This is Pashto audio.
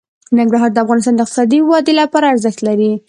ننګرهار د افغانستان د اقتصادي ودې لپاره ارزښت لري.